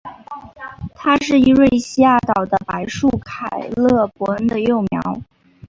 它是伊瑞西亚岛的白树凯勒博恩的幼苗。